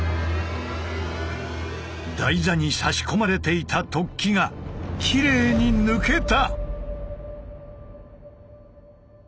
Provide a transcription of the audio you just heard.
台座に差し込まれていた突起がきれいに抜けた！